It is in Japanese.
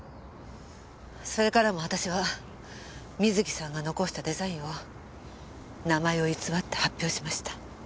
それからも私は瑞希さんが残したデザインを名前を偽って発表しました。